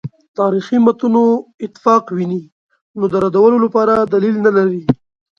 تاریخي متونو اتفاق ویني نو د ردولو لپاره دلیل نه لري.